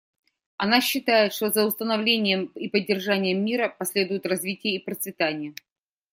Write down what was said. Она считает, что за установлением и поддержанием мира последуют развитие и процветание.